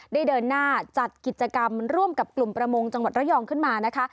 เดินหน้าจัดกิจกรรมร่วมกับกลุ่มประมงจังหวัดระยองขึ้นมานะคะ